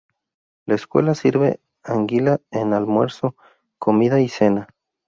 La escuela sirve anguila en almuerzo, comida y cena.